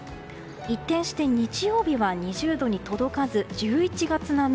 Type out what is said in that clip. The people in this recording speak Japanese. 一転して日曜日は２０度に届かず１１月並み。